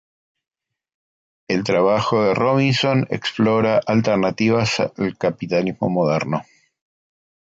El trabajo de Robinson explora alternativas al capitalismo moderno.